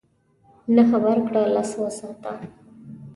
نهه ورکړه لس وساته .